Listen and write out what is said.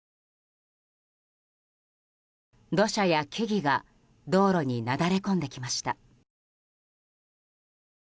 土砂や木々が道路になだれ込んできました。